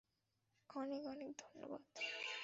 অনেক অনেক ধন্যবাদ।